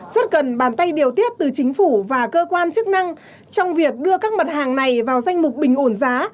rất cần bàn tay điều tiết từ chính phủ và cơ quan chức năng trong việc đưa các mặt hàng này vào danh mục bình ổn giá